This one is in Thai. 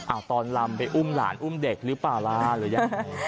ตอนลำไปอุ้มหลานอุ้มเด็กหรือเปล่าล่ะหรือยังไง